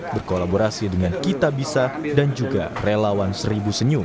berkolaborasi dengan kitabisa dan juga relawan seribu senyum